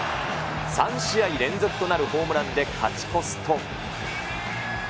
３試合連続となるホームランで勝ち越すと。